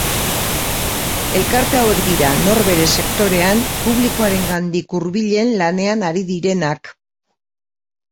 Elkarte hauek dira, nor bere sektorean, publikoarengandik hurbilen lanean ari direnak.